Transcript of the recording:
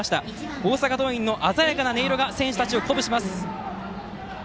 大阪桐蔭の鮮やかな音色が選手たちを鼓舞します。